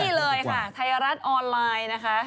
นี่เลยค่ะไทยรัฐออนไลน์นะคะ